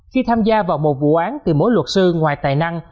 khi tham gia vào một vụ án từ mỗi luật sư ngoài tài năng